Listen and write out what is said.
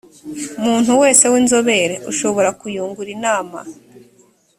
muntu wese w inzobere ushobora kuyungura inama